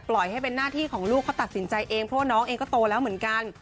ให้เป็นหน้าที่ของลูกเขาตัดสินใจเองเพราะว่าน้องเองก็โตแล้วเหมือนกัน